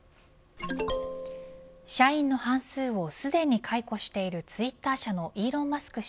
社員の半数をすでに解雇しているツイッター社のイーロン・マスク